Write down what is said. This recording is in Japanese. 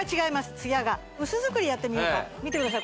ツヤが薄造りやってみようか見てください